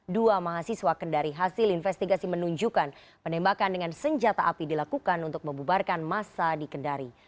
dua mahasiswa kendari hasil investigasi menunjukkan penembakan dengan senjata api dilakukan untuk membubarkan masa di kendari